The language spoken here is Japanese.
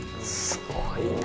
すごいな。